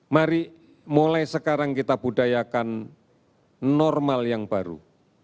mari mulai sekarang kita budayakan normal yang baru